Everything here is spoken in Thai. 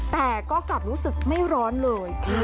แต่ก็กลับรู้สึกไม่ร้อนเลย